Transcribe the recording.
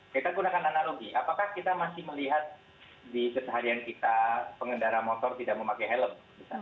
kita gunakan analogi apakah kita masih melihat di keseharian kita pengendara motor tidak memakai helm